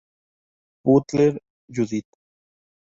Butler, Judith.